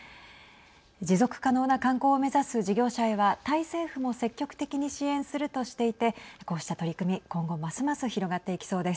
持続可能な観光を目指す事業者へはタイ政府も積極的に支援するとしていてこうした取り組み、今後ますます広がっていきそうです。